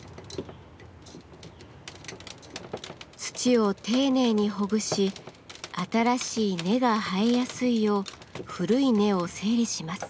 土を丁寧にほぐし新しい根が生えやすいよう古い根を整理します。